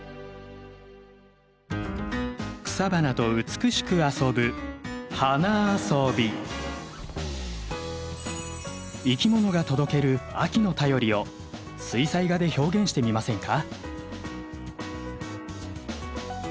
草花と美しく遊ぶいきものが届ける秋の便りを水彩画で表現してみませんか？